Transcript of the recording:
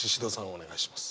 お願いします。